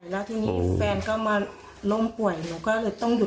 แล้วทีนี้แฟนก็มาล้มป่วย